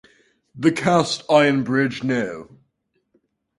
The cast iron bridge no.